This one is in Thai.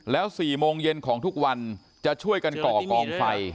แล้ว๔โมงเย็นของทุกวันจะช่วยกันก่อกองไฟ